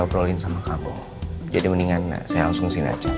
ngobrolin sama kamu jadi mendingan saya langsung sini aja karena kompo